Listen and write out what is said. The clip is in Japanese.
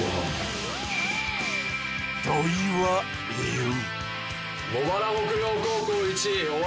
［土井は言う］